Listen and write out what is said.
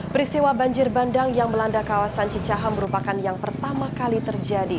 peristiwa banjir bandang yang melanda kawasan cicahem merupakan yang pertama kali terjadi